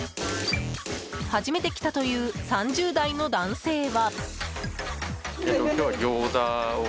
初めて来たという３０代の男性は。